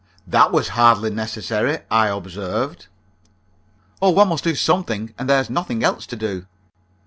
"That was hardly necessary," I observed. "Oh, one must do something, and there's nothing else to do."